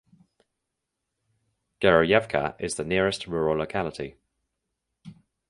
Geroyevka is the nearest rural locality.